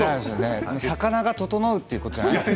魚が整うということではないんですね。